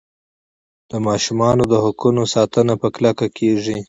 د ماشومانو د حقونو ساتنه په کلکه کیږي.